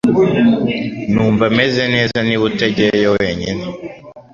Numva meze neza niba utagiyeyo wenyine